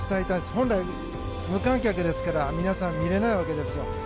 本来、無観客ですから皆さん、見れないわけですよ。